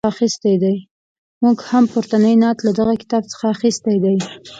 موږ هم پورتنی نعت له دغه کتاب څخه اخیستی دی.